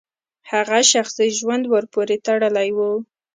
هغه شخصي ژوند ورپورې تړلی و.